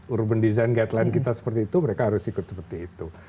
urban design guideline kita seperti itu mereka harus ikut seperti itu